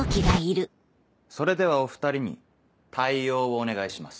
それではお２人に対応をお願いします。